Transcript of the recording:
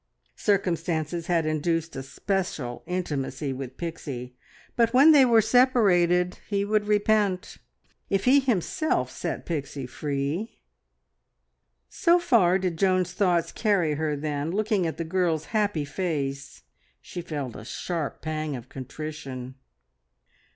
Circumstances had induced a special intimacy with Pixie, but when they were separated he would repent. If he himself set Pixie free! ... So far did Joan's thoughts carry her, then, looking at the girl's happy face, she felt a sharp pang of contrition.